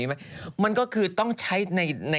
มันก็คือต้องใช้ใน